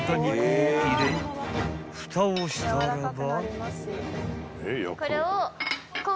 ［ふたをしたらば］